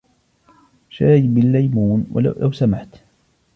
شاي بالليمون ، لو سمحت.